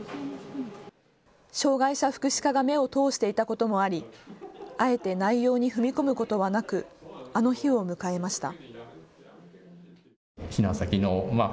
障害者福祉課が目を通していたこともあり、あえて内容に踏み込むことはなくあの日を迎えました。